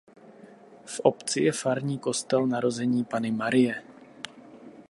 V obci je farní kostel Narození Panny Marie.